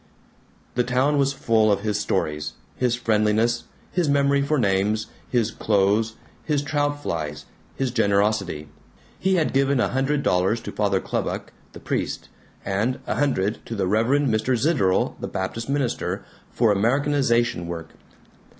The town was full of his stories, his friendliness, his memory for names, his clothes, his trout flies, his generosity. He had given a hundred dollars to Father Klubok the priest, and a hundred to the Reverend Mr. Zitterel the Baptist minister, for Americanization work.